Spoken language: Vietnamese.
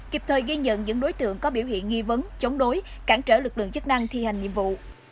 kịp thời ghi nhận những đối tượng có biểu hiện nghi vấn chống đối cản trở lực lượng chức năng thi hành nhiệm vụ